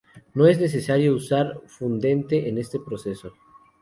No es necesario usar fundente en este proceso.